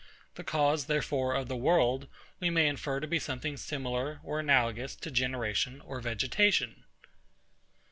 The cause, therefore, of the world, we may infer to be something similar or analogous to generation or vegetation.